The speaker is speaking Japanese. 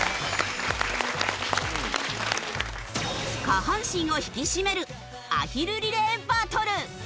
下半身を引き締めるアヒルリレーバトル。